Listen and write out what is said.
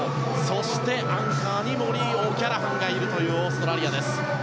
そして、アンカーにモリー・オキャラハンがいるというオーストラリアです。